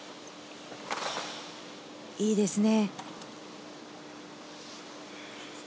いいですね。